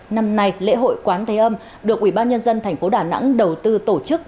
năm nay lễ hội quán thế âm được ủy ban nhân dân tp đà nẵng đầu tư tổ chức